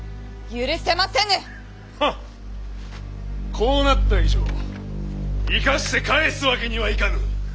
こうなった以上生かして帰すわけにはいかぬ。